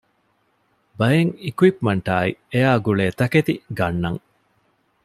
ބައެއް އިކްއިޕްމަންޓާއި އެއާގުޅޭ ތަކެތި ގަންނަން